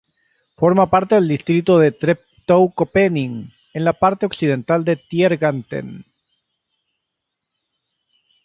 Forma parte del distrito de Treptow-Köpenick, en la parte occidental de Tiergarten.